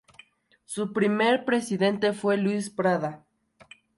Su primer presidente fue "Luis Prada".